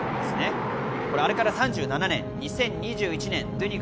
あれから３７年２０２１年。